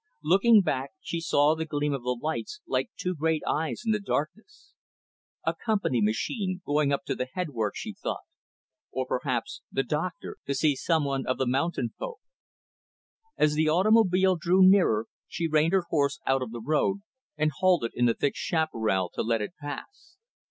Looking back, she saw the gleam of the lights, like two great eyes in the darkness. A Company machine, going up to the Head Work, she thought. Or, perhaps the Doctor, to see some one of the mountain folk. As the automobile drew nearer, she reined her horse out of the road, and halted in the thick chaparral to let it pass.